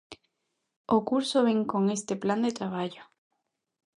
O curso vén con este plan de traballo: